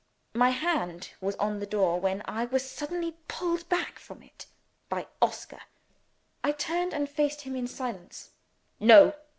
My hand was on the door, when I was suddenly pulled back from it by Oscar. I turned, and faced him in silence. "No!"